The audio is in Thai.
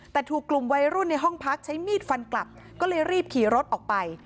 แต่ถูกกลุ่มวัยรุ่นในห้องพักใช้มีดฟันกลับก็เลยรีบขี่รถออกไป